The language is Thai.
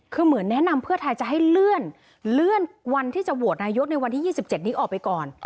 คือเหมือนแนะนำเพื่อทายจะให้เลื่อนเลื่อนวันที่จะโหวตนายกในวันที่ยี่สิบเจ็ดนี้ออกไปก่อน